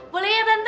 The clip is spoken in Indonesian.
boleh ya tante